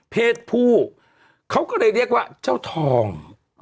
เพศผู้เขาก็เลยเรียกว่าเจ้าทอง